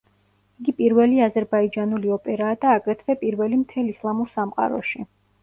იგი პირველი აზერბაიჯანული ოპერაა და აგრეთვე პირველი მთელ ისლამურ სამყაროში.